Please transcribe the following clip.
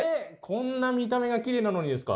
こんな見た目がきれいなのにですか？